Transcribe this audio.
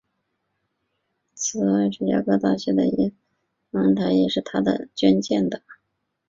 此外芝加哥大学的耶基斯天文台也是他捐建的。